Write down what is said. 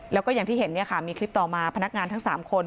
แล้วก็อย่างที่เห็นมีคลิปต่อมาพนักงานทั้ง๓คน